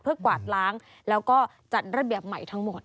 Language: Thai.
เพื่อกวาดล้างแล้วก็จัดระเบียบใหม่ทั้งหมด